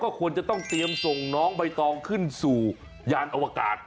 ควรจะต้องเตรียมส่งน้องใบตองขึ้นสู่ยานอวกาศ